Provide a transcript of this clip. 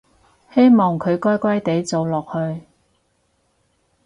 希望佢乖乖哋做落去